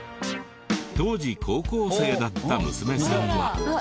当時高校生だった娘さんは。